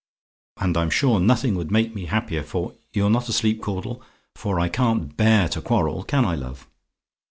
And I'm sure nothing would make me happier, for you're not asleep, Caudle? for I can't bear to quarrel, can I, love?